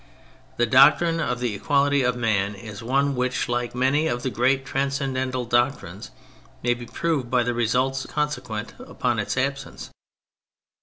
The doctrine of the equality of man is one which, like many of the great transcendental doctrines, may be proved by the results consequent upon its absence.